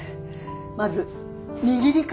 まず握り方だよ。